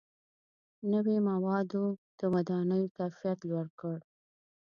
• نوي موادو د ودانیو کیفیت لوړ کړ.